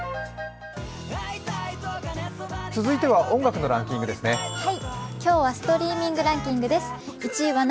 続いては音楽のランキングですね。